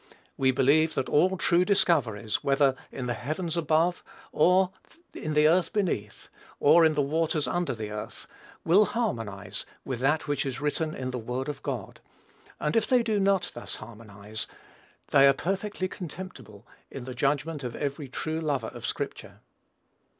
We believe that all true discoveries, whether "in the heavens above, in the earth beneath, or in the waters under the earth," will harmonize with that which is written in the word of God; and if they do not thus harmonize, they are perfectly contemptible in the judgment of every true lover of scripture.